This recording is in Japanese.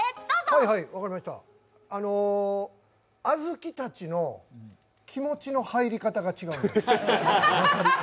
あずきたちの気持ちの入り方が違う。